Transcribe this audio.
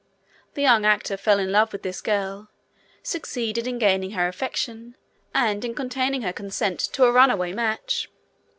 The young actor fell in love with this girl, succeeded in gaining her affection, and in obtaining her consent to a runaway match.